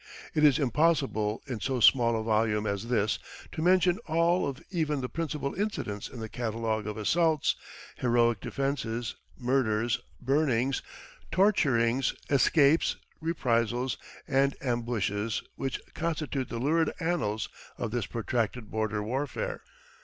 It is impossible in so small a volume as this to mention all of even the principal incidents in the catalogue of assaults, heroic defenses, murders, burnings, torturings, escapes, reprisals, and ambushes which constitute the lurid annals of this protracted border warfare.